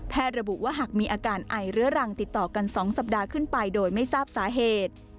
ระบุว่าหากมีอาการไอเรื้อรังติดต่อกัน๒สัปดาห์ขึ้นไปโดยไม่ทราบสาเหตุ